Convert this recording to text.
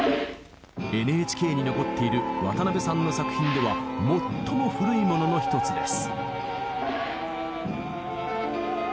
ＮＨＫに残っている渡辺さんの作品では最も古いものの一つです。